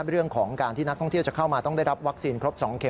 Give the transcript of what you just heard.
เรื่องของการที่นักท่องเที่ยวจะเข้ามาต้องได้รับวัคซีนครบ๒เม็